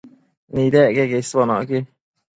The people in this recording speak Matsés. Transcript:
Nidec queque isbonocqui